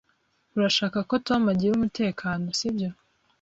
Urashaka ko Tom agira umutekano, sibyo?